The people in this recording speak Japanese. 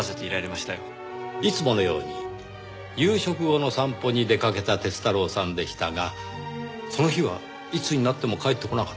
いつものように夕食後の散歩に出かけた鐵太郎さんでしたがその日はいつになっても帰ってこなかった。